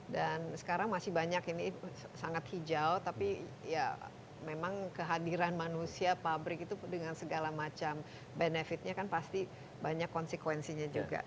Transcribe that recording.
dan sekarang masih banyak ini sangat hijau tapi ya memang kehadiran manusia pabrik itu dengan segala macam benefitnya kan pasti banyak konsekuensinya juga